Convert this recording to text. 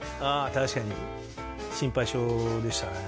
確かに心配性でしたね